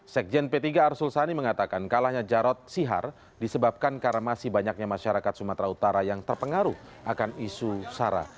sekjen p tiga arsul sani mengatakan kalahnya jarod sihar disebabkan karena masih banyaknya masyarakat sumatera utara yang terpengaruh akan isu sara